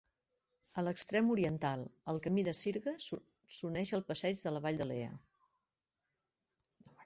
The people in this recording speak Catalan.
A l'extrem oriental, el camí de sirga s'uneix al passeig de la Vall de Lea.